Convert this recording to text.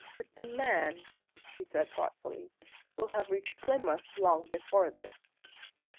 "But the man," she said thoughtfully, "will have reached Plymouth long before this."